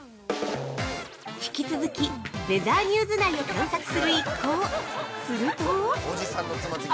◆引き続き、ウェザーニューズ内を探索する一行、すると！